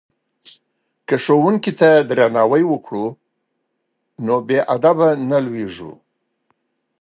که ښوونکي ته درناوی وکړو نو بې ادبه نه لویږو.